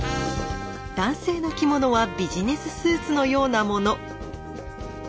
男性の着物はビジネススーツのようなもの。